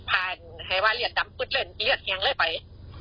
ผ่านให้ว่าเรียดดำปืดเล่นเรียดแยงเลยไป